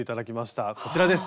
こちらです。